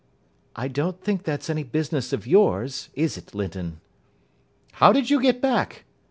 "I don't think that's any business of yours, is it, Linton?" "How did you get back?"